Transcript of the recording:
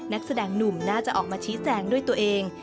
นักแสดงหนุ่มน่าจะออกมาชี้แจงด้วยตัวเอง